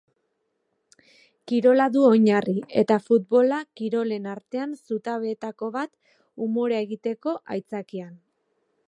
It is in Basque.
Kirola du oinarri eta futbola kirolen artean zutabeetako bat, umorea egiteko aitzakian.